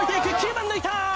番抜いた！